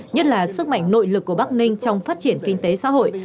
nhất là sức mạnh nội lực của bắc ninh trong phát triển kinh tế xã hội